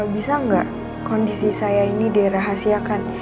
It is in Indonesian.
bisa nggak kondisi saya ini dirahasiakan